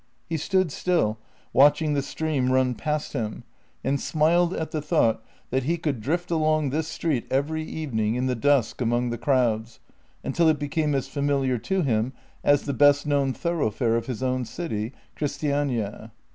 He stood still, watching the stream run past him, and smiled at the thought that he could drift along this street every even ing in the dusk among the crowds, until it became as familiar to him as the best known thoroughfare of his own city — Chris tiania.